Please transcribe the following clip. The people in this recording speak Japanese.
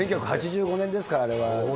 １９８５年ですから、あれは。